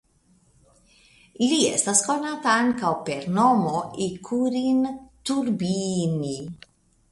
Li estas konata ankaŭ per nomo "Ikurin turbiini".